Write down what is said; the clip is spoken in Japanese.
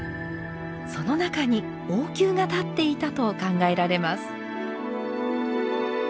その中に王宮が立っていたと考えられます。